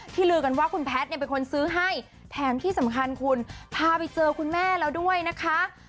ลือกันว่าคุณแพทย์เนี่ยเป็นคนซื้อให้แถมที่สำคัญคุณพาไปเจอคุณแม่แล้วด้วยนะคะ